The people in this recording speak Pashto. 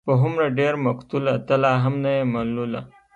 په هومره ډېر مقتوله، ته لا هم نه يې ملوله